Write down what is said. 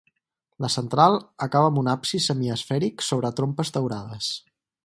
La central acaba amb un absis semiesfèric sobre trompes daurades.